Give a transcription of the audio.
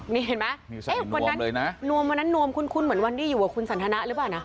นี่เห็นไหมวันนั้นนวมวันนั้นนวมคุ้นเหมือนวันที่อยู่กับคุณสันทนะหรือเปล่านะ